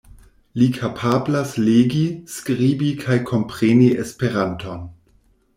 Li kapablas legi, skribi kaj kompreni Esperanton.